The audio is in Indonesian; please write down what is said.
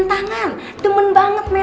kayaknya morte nosis